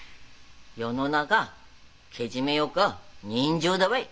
世の中けじめよっか人情だわい。